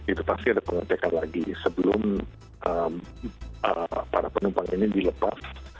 itu pasti ada pengecekan lagi sebelum para penumpang ini dilepas